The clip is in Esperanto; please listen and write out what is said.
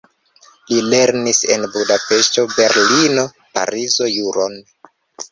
Li lernis en Budapeŝto, Berlino, Parizo juron.